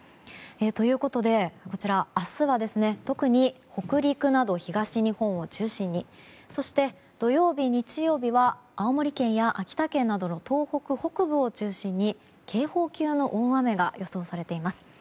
ということで、明日は特に北陸など東日本を中心にそして、土曜日や日曜日は青森県や秋田県など東北北部中心に警報級の大雨が予想されています。